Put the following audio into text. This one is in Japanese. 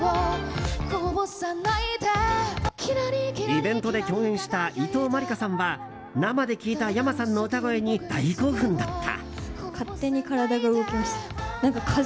イベントで共演した伊藤万理華さんは生で聴いたｙａｍａさんの歌声に大興奮だった。